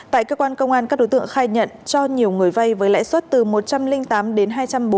tại cơ quan công an các đối tượng khai nhận cho nhiều người vay với lãi suất từ một trăm linh tám đến hai trăm bốn mươi